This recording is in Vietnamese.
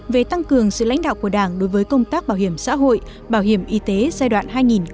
về tăng cường sự lãnh đạo của đảng đối với công tác bảo hiểm xã hội bảo hiểm y tế giai đoạn hai nghìn một mươi tám hai nghìn hai mươi